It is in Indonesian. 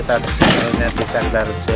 tadi semuanya desa garjur